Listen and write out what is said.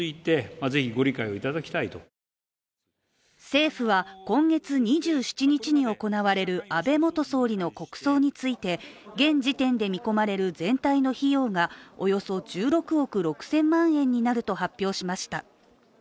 政府は今月２７日に行われる安倍元総理の国葬について現時点で見込まれる全体の費用がおよそ１６億６０００万円になると発表しました。